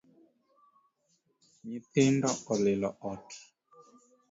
Nythindo olilo ot